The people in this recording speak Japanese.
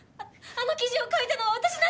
あの記事を書いたのは私なんです。